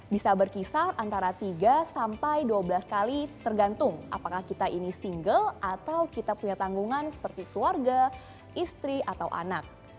bisa berkisar antara tiga sampai dua belas kali tergantung apakah kita ini single atau kita punya tanggungan seperti keluarga istri atau anak